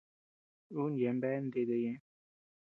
Ú yeabean bea ndete ñeʼë.